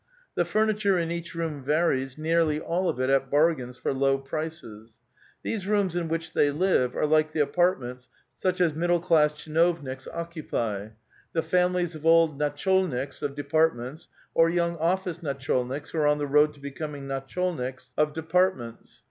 The fur niture in each room varies, nearly all of it' at bargains for low prices. These rooms in which they live are like the apartments such as middle class tchinovniks occupy, the families of old nafcholniks of departments or young office natcholniks who are on the road to becoming natcJiolniJcs of 892 A VITAL QUESTION. departments.